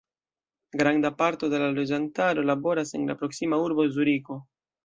Granda parto de la loĝantaro laboras en la proksima urbo Zuriko.